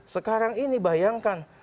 sekarang ini bayangkan